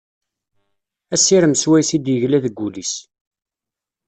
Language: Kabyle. Asirem swayes i d-yegla deg ul-is.